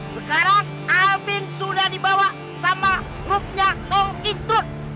sekarang alvin sudah dibawa sama grupnya tongki tut